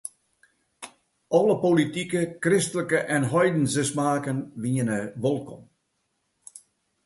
Alle politike, kristlike en heidense smaken wiene wolkom.